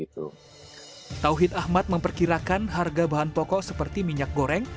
tauhid ahmad memperkirakan harga bahan pokok seperti minyak goreng